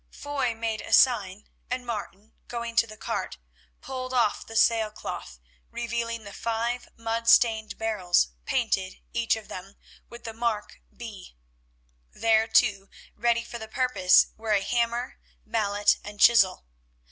Foy made a sign, and Martin going to the cart, pulled off the sail cloth, revealing the five mud stained barrels painted, each of them, with the mark B. There, too, ready for the purpose, were a hammer, mallet, and chisel.